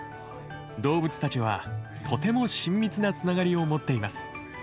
動物たちはとても親密なつながりを持っています。